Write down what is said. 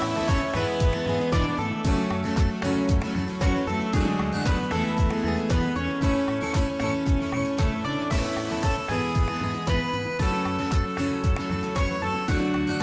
โปรดติดตามตอนต่อไป